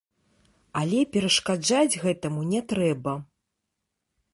Але перашкаджаць гэтаму не трэба.